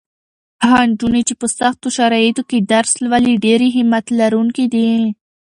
هغه نجونې چې په سختو شرایطو کې درس لولي ډېرې همت لرونکې دي.